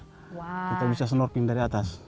kita bisa snorkeling dari atas